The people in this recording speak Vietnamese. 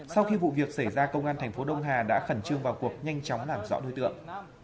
sau khi vụ việc xảy ra công an thành phố đông hà đã khẩn trương vào cuộc nhanh chóng làm rõ đối tượng